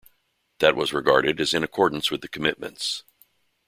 That was regarded as in accordance with the commitments.